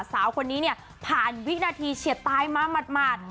สาวคนนี้เนี่ยผ่านวินาทีเฉียดตายมาหมาด